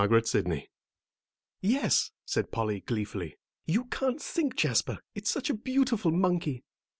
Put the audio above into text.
XIX JOCKO "Yes," said Polly, gleefully, "you can't think, Jasper; it's such a beautiful monkey."